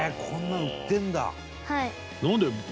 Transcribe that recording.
こんなの売ってるんだ。